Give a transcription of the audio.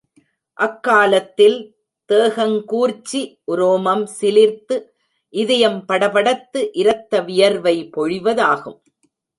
அக்காலத்தில் தேகங்கூர்ச்சி, உரோமம் சிலிர்த்து, இதயம் படபடத்து, இரத்த வியர்வை பொழிவதாகும்.